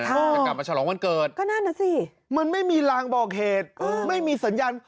จะกลับมาฉลองวันเกิดก็นั่นน่ะสิมันไม่มีลางบอกเหตุไม่มีสัญญาณ